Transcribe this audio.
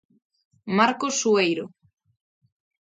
Marcos Sueiro.